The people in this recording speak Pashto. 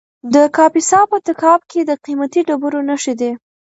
د کاپیسا په تګاب کې د قیمتي ډبرو نښې دي.